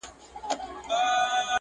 تېرول يې نرۍ ژبه پر برېتونو!.